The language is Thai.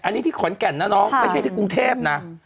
อันนี้ที่ขอนแก่นนะน้องไม่ใช่ที่กรุงเทพนะ